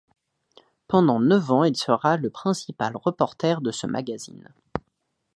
Pendant neuf ans il sera le principal reporter de ce magazine.